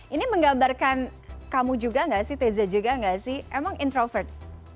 ini menggambarkan kamu juga nggak sih teza juga gak sih emang introvert